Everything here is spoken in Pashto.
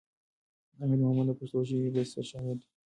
حمید مومند د پښتو ژبې یو بل ستر شاعر دی.